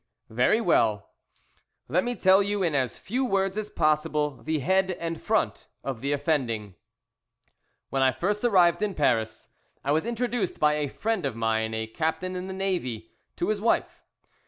"Very well, let me tell you in as few words as possible, the head and front of the offending. "When I first arrived in Paris I was introduced by a friend of mine, a captain in the navy, to his wife.